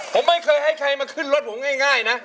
ผมไม่เคยให้ใครมาขึ้นรถผมง่ายนะ